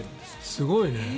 すごいね。